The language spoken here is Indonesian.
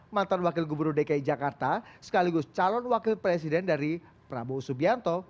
mantan wakil gubernur dki jakarta sekaligus calon wakil presiden dari prabowo subianto